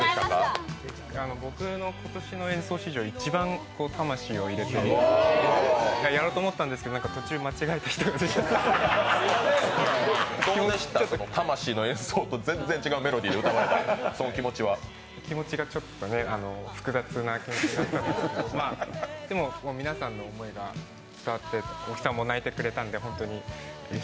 僕の演奏史上、一番魂を入れてやろうと思ったんですけど、魂の演奏と全然違って歌われた気持ちは気持ちがちょっとね複雑な気持ちだったんですが、でも皆さんの思いが伝わって大木さんも泣いてくれたんで。